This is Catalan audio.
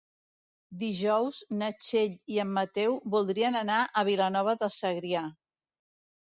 Dijous na Txell i en Mateu voldrien anar a Vilanova de Segrià.